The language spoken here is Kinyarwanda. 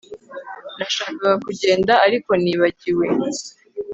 Nashakaga kugenda ariko nibagiwe